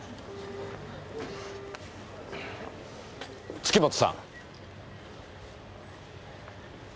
月本さん！